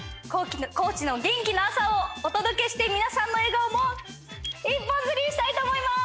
高知の元気な朝をお届けして皆さんの笑顔も１本釣りしたいと思います！